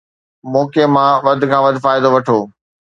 موقعي مان وڌ کان وڌ فائدو وٺو